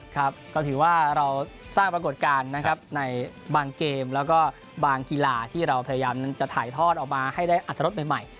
ครับก็ถือว่าเราสร้างปรากฏการณ์นะครับในบางเกมแล้วก็บางกีฬาที่เราพยายามจะถ่ายทอดออกมาให้ได้อัตรรสใหม่